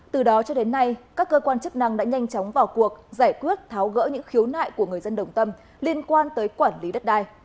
từ đó cho đến nay các cơ quan chức năng đã nhanh chóng vào cuộc giải quyết tháo gỡ những khiếu nại của người dân đồng tâm liên quan tới quản lý đất đai